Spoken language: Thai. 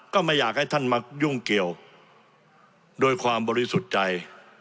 ก็ไม่อยากให้ท่านมายุ่งเกี่ยวโดยความบริสุทธิ์ใจ